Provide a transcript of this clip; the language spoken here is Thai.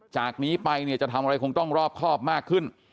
จากนี้ไปเนี่ยจะทำอะไรคงต้องรอบครอบมากขึ้น